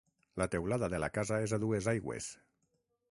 La teulada de la casa és a dues aigües.